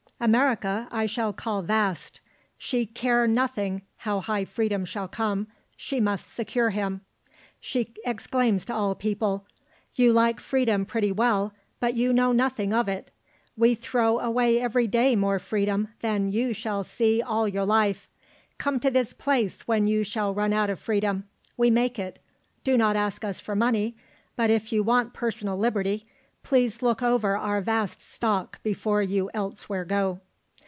America I shall call vast. She care nothing how high freedom shall come, she must secure him. She exclaims to all people: 'You like freedom pretty well, but you know nothing of it. We throw away every day more freedom than you shall see all your life. Come to this place when you shall run out of freedom. We make it. Do not ask us for money, but if you want personal liberty, please look over our vast stock before you elsewhere go.'